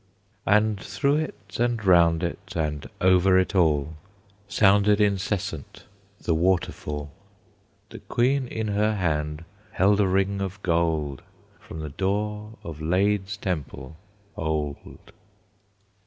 And through it, and round it, and over it all Sounded incessant the waterfall. The Queen in her hand held a ring of gold, From the door of LadÈ's Temple old.